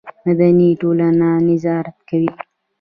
مدني ټولنه نظارت کوي